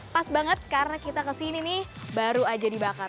pas banget karena kita kesini nih baru aja dibakar